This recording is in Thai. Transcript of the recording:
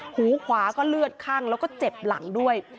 หูขวาก็เลือดคั่งแล้วก็เจ็บหลังด้วย